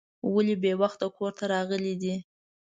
ولې بې وخته کور ته راغلی دی.